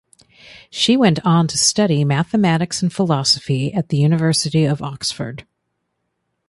She went on to study Mathematics and Philosophy at the University of Oxford.